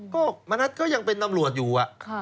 ก็มณัฐก็ยังเป็นตำรวจอยู่